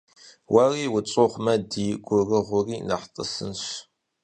Уэри утщӀыгъумэ, ди гурыгъури нэхъ тӀысынщ.